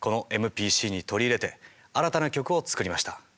このＭＰＣに取り入れて新たな曲を作りました。